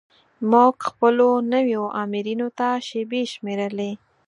موږ خپلو نویو آمرینو ته شیبې شمیرلې.